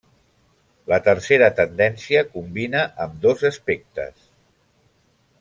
La tercera tendència combina ambdós aspectes.